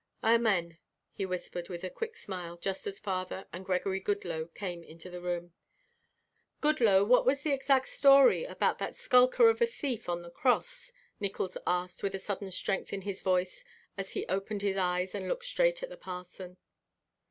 "Amen," he whispered with a quick smile just as father and Gregory Goodloe came into the room. "Goodloe, what was the exact story about that skulker of a thief on the cross?" Nickols asked with a sudden strength in his voice as he opened his eyes and looked straight at the parson.